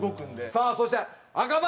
さあそして赤羽。